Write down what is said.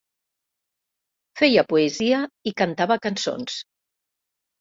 Feia poesia i cantava cançons.